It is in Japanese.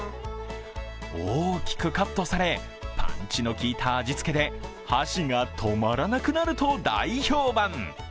大きくカットされパンチの効いた味付けで箸が止まらなくなると大評判。